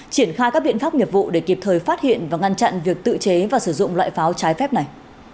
triển khai các biện pháp nghiệp vụ để kịp thời phát hiện và ngăn chặn việc tự chế và sử dụng loại pháo trái phép này